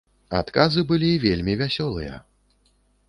Адказы былі вельмі вясёлыя.